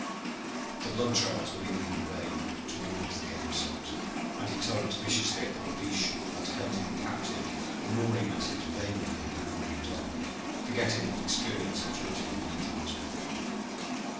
The blood trails were leading him away toward the game scent, and he tugged viciously at the babeesh that held him captive, gnawing at it vainly, like an angry dog, forgetting what experience had taught him many times before.